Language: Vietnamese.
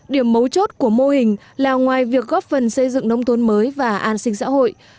điểm mấu chốt của mô hình là ngoài việc góp phần xây dựng nông thôn mới và an sinh xã hội